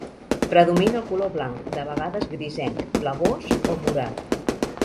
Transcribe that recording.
Predomina el color blanc, de vegades grisenc, blavós o morat.